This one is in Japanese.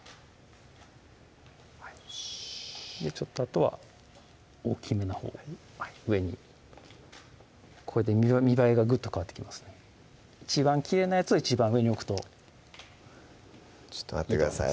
ちょっとあとは大きめなほうを上にこれで見栄えがグッと変わってきますね一番きれいなやつを一番上に置くとちょっと待ってください